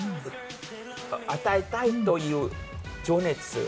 与えたいという情熱。